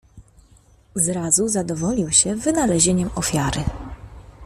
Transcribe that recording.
"Zrazu zadowolił się wynalezieniem ofiary."